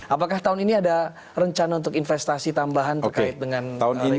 apakah tahun ini ada rencana untuk investasi tambahan terkait dengan investasi